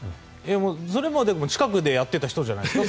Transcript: それは近くでやってた人じゃないですか